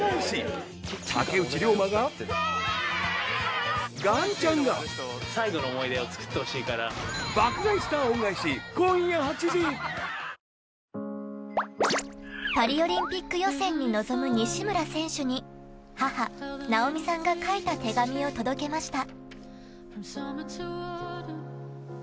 「ハミングフレア」パリオリンピック予選に臨む西村選手に母・直美さんが書いた手紙を届けました。